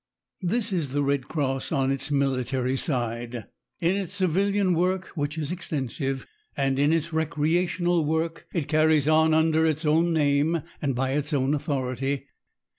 This is the Red Cross on its military side. In its civilian work, which is extensive, and in its recreational work it carries on under its own name and by its own authority.